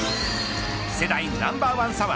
世代ナンバーワン左腕